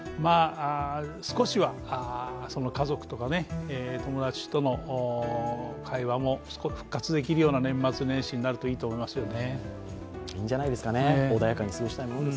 少しは家族とか友達との会話も復活できるような年末年始になるといいですよね。